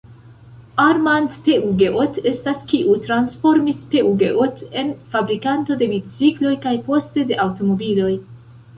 Armand Peugeot estas kiu transformis Peugeot en fabrikanto de bicikloj kaj, poste, de aŭtomobiloj.